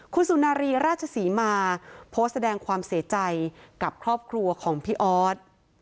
คุณสุนารีราชศรีมาโพสต์แสดงความเสียใจกับครอบครัวของพี่ออส